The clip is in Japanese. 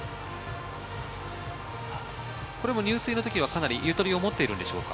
入水の時にはかなりゆとりを持っているんでしょうか？